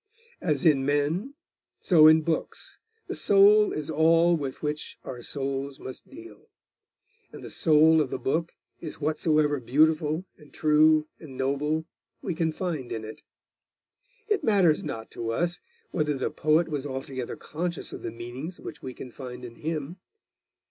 As in men, so in books, the soul is all with which our souls must deal; and the soul of the book is whatsoever beautiful, and true, and noble we can find in it. It matters not to us whether the poet was altogether conscious of the meanings which we can find in him.